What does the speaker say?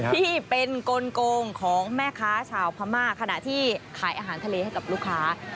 ที่เป็นกลงของแม่ค้าชาวพม่าขณะที่ขายอาหารทะเลให้กับลูกค้า